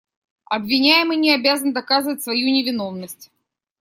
Обвиняемый не обязан доказывать свою невиновность.